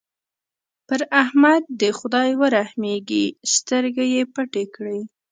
پر احمد دې خدای ورحمېږي؛ سترګې يې پټې کړې.